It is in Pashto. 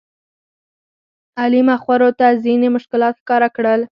علي مخورو ته ځینې مشکلات ښکاره کړل.